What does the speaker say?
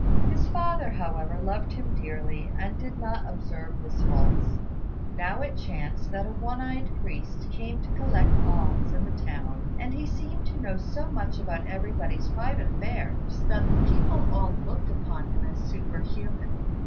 His father, however, loved him dearly, and did not observe his faults. Now it chanced that a one eyed priest came to collect alms in the town, and he seemed to know so much about everybody's private affairs that the people all looked upon him as superhuman.